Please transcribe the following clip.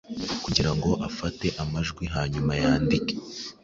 kugira ngo afate amajwi hanyuma yandike